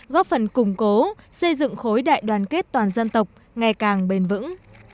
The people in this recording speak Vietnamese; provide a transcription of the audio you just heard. góp phần củng cố xây dựng khối đại đoàn kết toàn dân tộc ngày càng bền vững